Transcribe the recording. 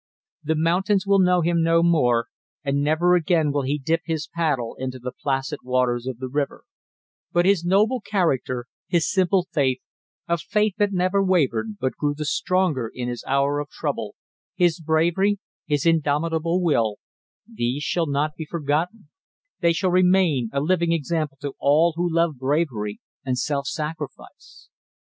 The mountains will know him no more, and never again will he dip his paddle into the placid waters of the river; but his noble character, his simple faith, a faith that never wavered, but grew the stronger in his hour of trouble, his bravery, his indomitable will these shall not be forgotten; they shall remain a living example to all who love bravery and self sacrifice.